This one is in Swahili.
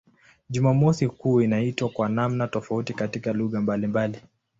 Jumamosi kuu inaitwa kwa namna tofauti katika lugha mbalimbali.